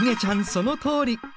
そのとおり。